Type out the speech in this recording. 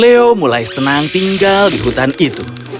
leo mulai senang tinggal di hutan itu